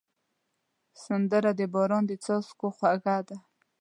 سندره د باران د څاڅکو خوږه ده